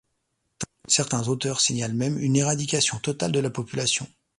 Certains auteurs signalent même une éradication totale de la population.